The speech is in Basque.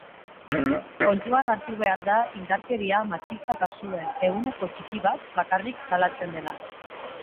Kontuan hartu behar da indarkeria matxista kasuen ehuneko txiki bat bakarrik salatzen dela.